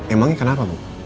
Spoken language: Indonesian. emangnya kenapa bu